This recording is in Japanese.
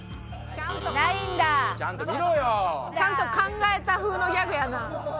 ちゃんと考えた風のギャグやな。